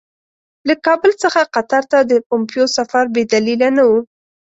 له کابل څخه قطر ته د پومپیو سفر بې دلیله نه وو.